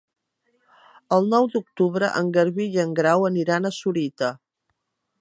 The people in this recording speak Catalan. El nou d'octubre en Garbí i en Grau aniran a Sorita.